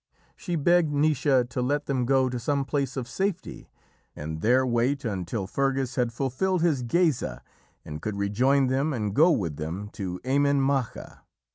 She begged Naoise to let them go to some place of safety and there wait until Fergus had fulfilled his geasa and could rejoin them and go with them to Emain Macha.